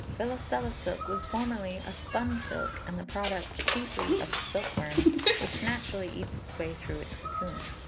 Filoselle silk was formerly a "spun silk," and the product chiefly of the silkworm, which naturally eats its way through its cocoon.